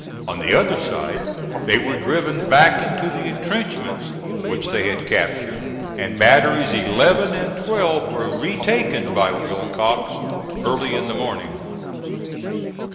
On the other side they were driven back into the intrenchments which they had captured, and batteries eleven and twelve were retaken by Willcox early in the morning.